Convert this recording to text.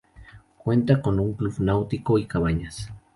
Cuenta con un club náutico y cabañas.